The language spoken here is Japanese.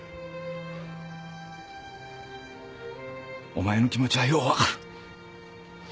お前の気持ちはよう分かる。